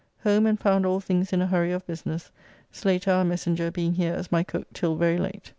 Home and found all things in a hurry of business, Slater, our messenger, being here as my cook till very late.